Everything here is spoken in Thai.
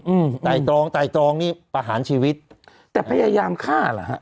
อืมอืมต่ายตรองต่ายตรองนี่ประหารชีวิตแต่พยายามฆ่าล่ะ